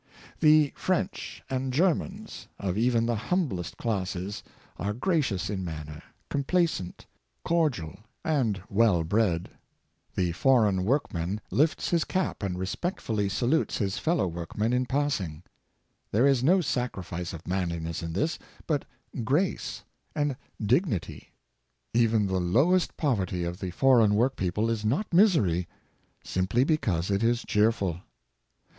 The French and Germans, of even the humblest classes, are gracious in manner, complaisant, cordial, 34 530 Good Taste, and well bred. The foreign workman lifts his cap and respectfully salutes his fellow workman in passing. There is no sacrifice of manliness in this, but grace and dignity. Even the lowest poverty of the foreign work people is not misery, simply because it is cheer ful.